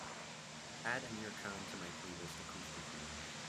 Add Amir Khan to my playlist Acoustic Blues